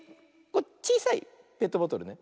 ちいさいペットボトルね。